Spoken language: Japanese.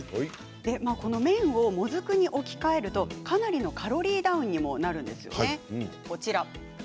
麺をもずくに置き換えるとかなりのカロリーダウンにもなるんです。